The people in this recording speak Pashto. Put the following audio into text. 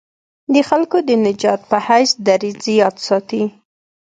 د خلکو د نجات په حیث دریځ یاد ساتي.